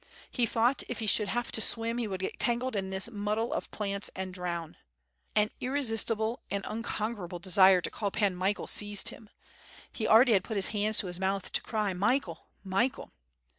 lie thought if he should have to swim, he would get tangled in this muddle of plants, and drown. Again am irresistible and unconquerable desire to call Pan Michael seized him. He already had put his hands to his mouth to cry: "Michael! Michael!"